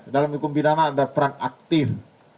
dalam hukum pidana ada peran aktif